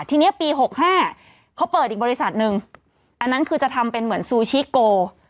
ทีนี้ปี๖๕เขาเปิดอีกบริษัทหนึ่งอันนั้นคือจะทำเป็นเหมือนซูชิโก